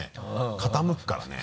傾くからね。